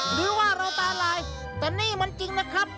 หรือว่าเราตาลายแต่นี่มันจริงนะครับ